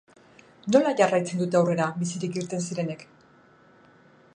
Nola jarraitzen dute aurrera bizirik irten zirenek?